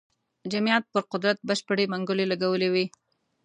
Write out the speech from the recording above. جمعیت پر قدرت بشپړې منګولې لګولې وې.